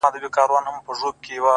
• چپ سه چـــپ ســــه نور مــه ژاړه؛